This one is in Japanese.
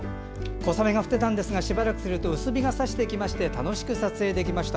小雨が降ってたんですがしばらくすると薄日がさしてきて楽しく撮影できました。